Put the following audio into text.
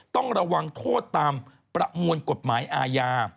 ต้องระวังโทษตามประมวลกฎหมายอาญา